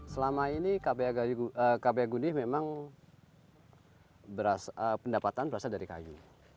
selama ini kph gundih memang pendapatan berasal dari kayu